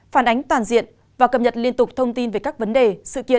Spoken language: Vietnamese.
phản ánh toàn diện và cập nhật liên tục thông tin về các vấn đề sự kiện